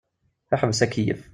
Ḥbes akeyyef.